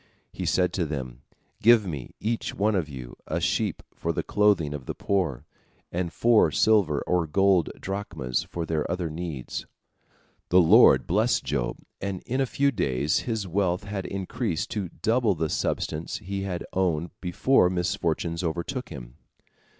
He said to them, "Give me, each one of you, a sheep for the clothing of the poor, and four silver or gold drachmas for their other needs." The Lord blessed Job, and in a few days his wealth had increased to double the substance he had owned before misfortune overtook him.